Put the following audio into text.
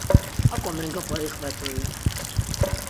Ak̆o mengapa iqvet̆ui!